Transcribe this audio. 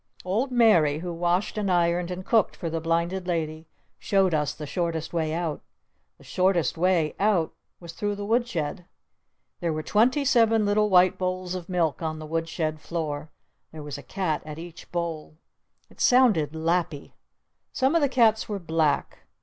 Old Mary who washed and ironed and cooked for the Blinded Lady showed us the shortest way out. The shortest way out was through the wood shed. There were twenty seven little white bowls of milk on the wood shed floor. There was a cat at each bowl. It sounded lappy! Some of the cats were black.